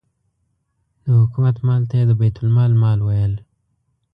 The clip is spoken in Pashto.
د حکومت مال ته یې د بیت المال مال ویل.